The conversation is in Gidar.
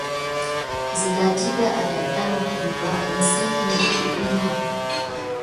Sigan ɗiɗa ada kidan ɗe gəban kesinki, lukutu nà.